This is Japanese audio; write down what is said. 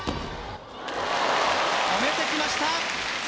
止めてきました。